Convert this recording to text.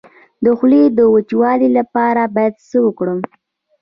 د خولې د وچوالي لپاره باید څه وکړم؟